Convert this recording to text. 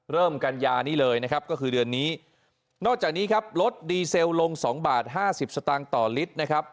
กัญญานี้เลยนะครับก็คือเดือนนี้นอกจากนี้ครับลดดีเซลลงสองบาทห้าสิบสตางค์ต่อลิตรนะครับ